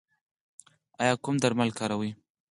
ایا کوم درمل کاروئ؟